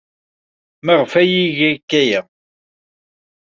Maɣef ay iga akk aya?